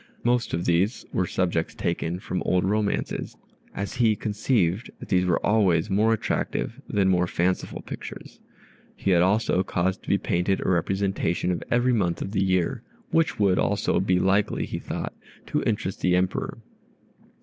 Most of these were subjects taken from old romances, as he conceived that these were always more attractive than mere fanciful pictures. He had also caused to be painted a representation of every month of the year, which would also be likely, he thought, to interest the Emperor.